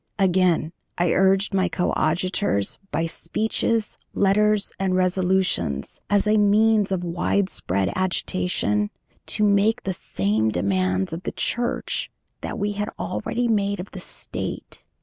Again, I urged my coadjutors by speeches, letters, and resolutions, as a means of widespread agitation, to make the same demands of the Church that we had already made of the State.